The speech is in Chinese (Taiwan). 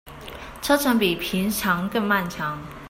車程比平常更漫長